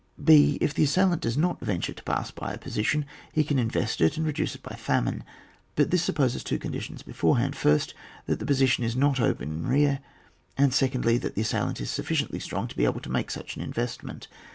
h. If the assailant does not venture to pass by a position, he can invest it and reduce it by famine. But this supposes two conditions beforehand : first, that the position is not open in rear, and secondly, that the assailant is sufficiently strong to be able to make such an investment.